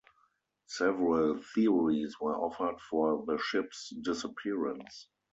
Several theories were offered for the ship's disappearance.